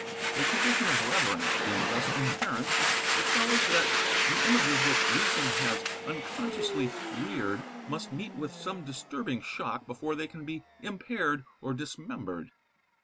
A condition of reverence being thus inherent, it follows that the images which reason has unconsciously reared must meet with some disturbing shock before they can be impaired or dismembered.